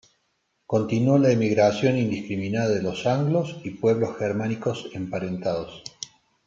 Continuó la emigración indiscriminada de los anglos y pueblos germánicos emparentados.